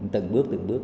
từng bước từng bước